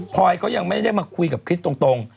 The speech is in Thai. พอยก็ยังไม่ได้มาคุยกับคริสต์ตรง